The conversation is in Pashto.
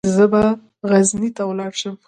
زه به غزني ته ولاړ شم.